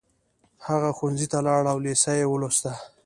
هغه ښوونځي ته لاړ او لېسه يې ولوسته